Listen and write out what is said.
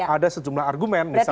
ada sejumlah argumen misalnya